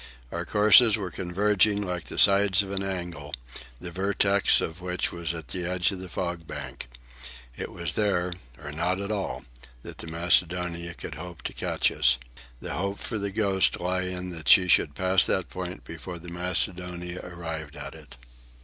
Our courses were converging like the sides of an angle, the vertex of which was at the edge of the fog bank. It was there, or not at all, that the Macedonia could hope to catch us. The hope for the Ghost lay in that she should pass that point before the Macedonia arrived at it.